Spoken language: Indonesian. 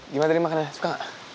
gimana tadi makanan suka gak